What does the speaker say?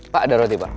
pak ada roti pak